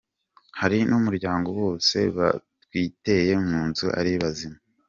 Hari n’umuryango wose batwikiye mu nzu ari bazima.”